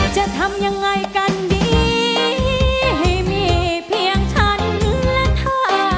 จะทำยังไงกันดีให้มีเพียงฉันและเธอ